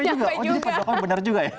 oh jadi pak jokowi bener juga ya